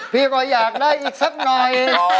พี่ก็อยากได้อีกสักหน่อย